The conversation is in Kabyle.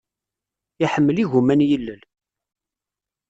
Iḥemmel igumma n yilel.